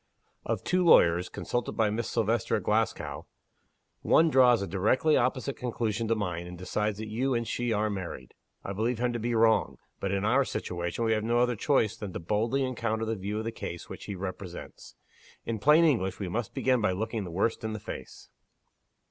Of two lawyers, consulted by Miss Silvester at Glasgow, one draws a directly opposite conclusion to mine, and decides that you and she are married. I believe him to be wrong, but in our situation, we have no other choice than to boldly encounter the view of the case which he represents. In plain English, we must begin by looking the worst in the face."